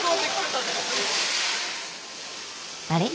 あれ？